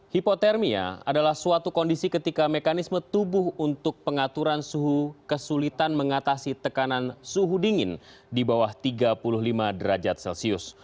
hipotermia adalah suatu kondisi ketika mekanisme tubuh untuk pengaturan suhu kesulitan mengatasi tekanan suhu dingin di bawah tiga puluh lima derajat celcius